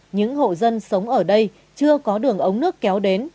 những hộ dân sống ở đây chưa có đường ống nước kéo đến